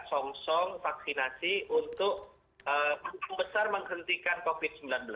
song song vaksinasi untuk besar menghentikan covid sembilan belas